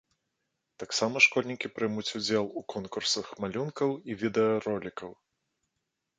Таксама школьнікі прымуць удзел у конкурсах малюнкаў і відэаролікаў.